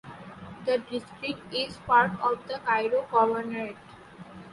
The district is part of the Cairo Governorate.